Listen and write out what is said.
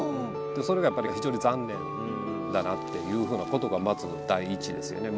それがやっぱり非常に残念だなっていうふうなことがまず第一ですよね。